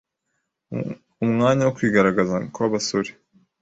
umwanya wo kwigaragaza kw’abasore